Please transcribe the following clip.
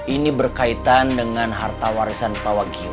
ini berkaitan dengan harta warisan pak wagyu